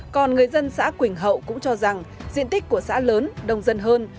còn người dân xã quỳnh hậu cũng cho rằng diện tích của xã lớn đông dân hơn